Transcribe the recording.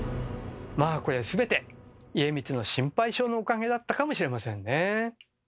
まあこれはすべて家光の心配性のおかげだったかもしれませんねえ。